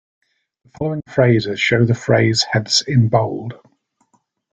The following phrases show the phrase heads in bold.